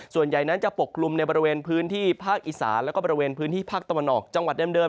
ส่วนใหญ่นั้นจะปกกลุ่มในบริเวณพื้นที่ภาคอีสานแล้วก็บริเวณพื้นที่ภาคตะวันออกจังหวัดเดิม